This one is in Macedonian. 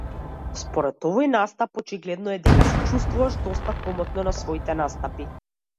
Според овој настап очигледно е дека се чувствуваш доста комотно на своите настапи.